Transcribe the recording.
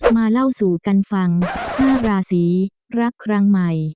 มาเล่าสู่กันฟัง๕ราศีรักครั้งใหม่